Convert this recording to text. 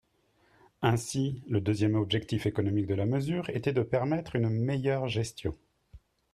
Ainsi, le deuxième objectif économique de la mesure était de permettre une meilleure gestion.